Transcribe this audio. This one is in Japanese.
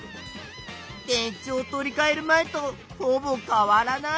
電池を取りかえる前とほぼ変わらない。